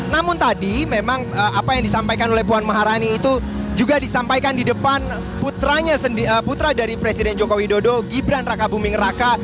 namun tadi memang apa yang disampaikan oleh puan maharani itu juga disampaikan di depan putra dari presiden joko widodo gibran raka buming raka